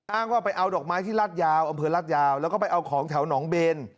อ้างว่าไปเอาดอกไม้ที่รัฐยาวอำเภอราชยาวแล้วก็ไปเอาของแถวหนองเบน